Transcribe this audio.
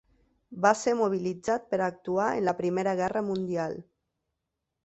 Va ser mobilitzat per actuar en la Primera Guerra Mundial.